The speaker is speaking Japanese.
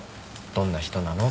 「どんな人なの？」